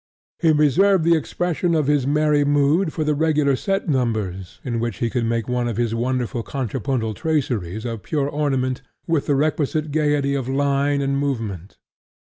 He reserved the expression of his merry mood for the regular set numbers in which he could make one of his wonderful contrapuntal traceries of pure ornament with the requisite gaiety of line and movement.